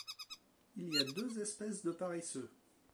Il y a deux espèces de paresseux